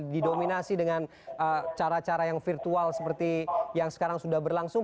didominasi dengan cara cara yang virtual seperti yang sekarang sudah berlangsung